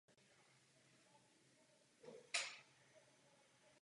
Počin byl směsicí klasických hitů osmdesátých let a nových písní v angličtině.